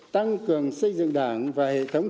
tăng cường xây dựng đảng và hệ thống